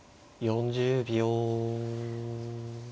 ４０秒。